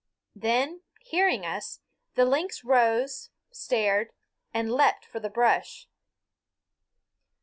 Then, hearing us, the lynx rose, stared, and leaped for the brush.